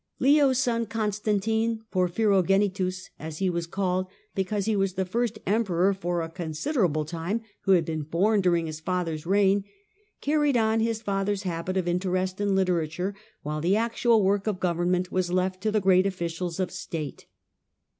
Leo's son Constantine, " Porphyrogenitus " as he was called, be cause he was the first emperor for a considerable time who had been born during his father's reign, carried on his father's habit of interest in literature, while the actual work of government was left to the great officials of State.